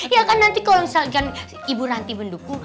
ya kan nanti kalau misalkan ibu nanti mendukung